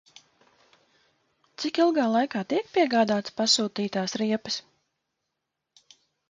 Cik ilgā laikā tiek piegādātas pasūtītās riepas?